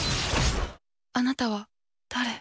あなたは誰？